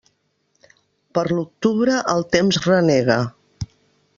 Per l'octubre, el temps renega.